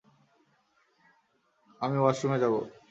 আমি ওয়াশরুমে যাব।